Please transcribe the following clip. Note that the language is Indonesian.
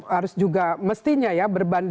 harus juga mestinya ya